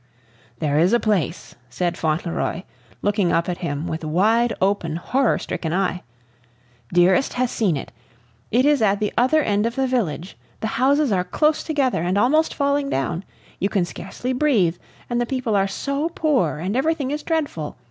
"There is a place," said Fauntleroy, looking up at him with wide open, horror stricken eye "Dearest has seen it; it is at the other end of the village. The houses are close together, and almost falling down; you can scarcely breathe; and the people are so poor, and everything is dreadful!